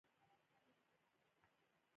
نفت د افغانستان د کلتوري میراث برخه ده.